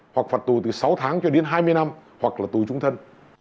hoặc phạt tù từ sáu tháng cho đến hai mươi năm hoặc là tù trung thân